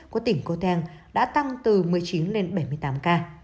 của tỉnh cô teng đã tăng từ một mươi chín lên bảy mươi tám ca